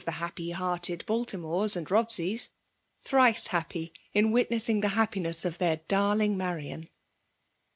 the happy hearted BaltimoieB and Bobseyst thrice happy ia ivitnessiiig the happmeas of their darling Marian.